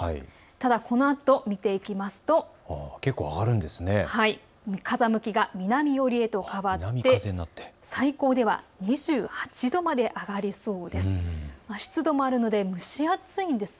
ただ、このあとを見ていくと風向きが南寄りへと変わって最高では２８度まで上がりそうです。